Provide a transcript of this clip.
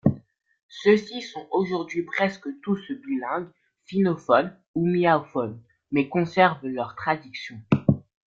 Ceux-ci sont aujourd'hui presque tous bilingues, sinophones ou miaophones, mais conservent leurs traditions.